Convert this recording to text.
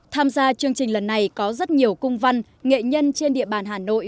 tham gia chương trình lần này có rất nhiều cung văn nghệ nhân trên địa bàn hà nội